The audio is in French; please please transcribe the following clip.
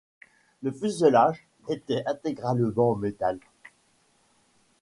Le fuselage était intégralement en métal.